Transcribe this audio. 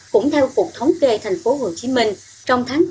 cũng theo cuộc thống kê thành phố hồ chí minh trong tháng bốn